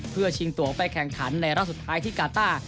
เพื่อชิงตัวไปแข่งขันในรอบสุดท้ายที่กาต้า